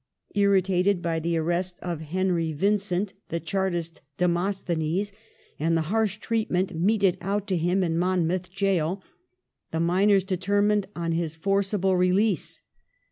Instated by the an*est of Henry Vincent, *' the Chartist Demosthenes," and the hai sh treatment meted out to him in Monmouth gaol, the miners determined on his forcible release.